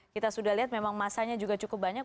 kita sudah lihat memang masanya juga cukup banyak